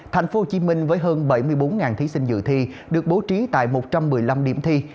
thành phố hồ chí minh với hơn bảy mươi bốn thí sinh dự thi được bố trí tại một trăm một mươi năm điểm thi